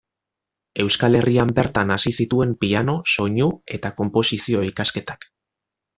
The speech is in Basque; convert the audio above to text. Euskal Herrian bertan hasi zituen piano, soinu eta konposizio ikasketak.